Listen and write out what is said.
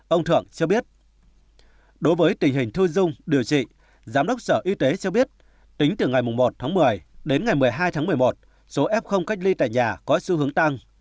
ông thượng cho biết đối với tình hình thu dung điều trị giám đốc sở y tế cho biết tính từ ngày một tháng một mươi đến ngày một mươi hai tháng một mươi một số f cách ly tại nhà có xu hướng tăng